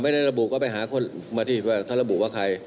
ไม่ได้ระบุก็ไปหาคนมาที่ว่าเขาระบุว่าใคร